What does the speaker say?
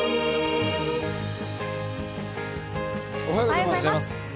おはようございます。